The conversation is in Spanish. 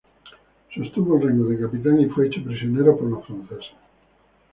Sostuvo el rango de capitán y fue hecho prisionero por los franceses.